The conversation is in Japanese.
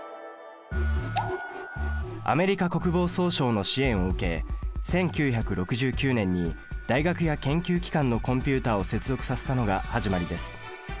アメリカ国防総省の支援を受け１９６９年に大学や研究機関のコンピュータを接続させたのが始まりです。